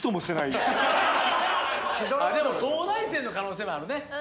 東大生の可能性もあるね